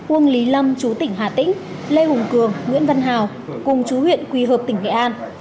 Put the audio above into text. uông lý lâm chú tỉnh hà tĩnh lê hùng cường nguyễn văn hào cùng chú huyện quỳ hợp tỉnh nghệ an